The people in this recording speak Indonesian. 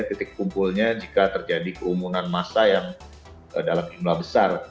ketik kumpulnya jika terjadi keumunan masa yang dalam jumlah besar